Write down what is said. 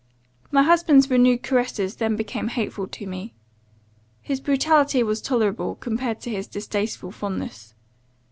My husband's renewed caresses then became hateful to me; his brutality was tolerable, compared to his distasteful fondness.